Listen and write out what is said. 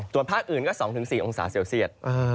ตัวภาคอื่นก็ก็๒๔องศาเซียวเซียต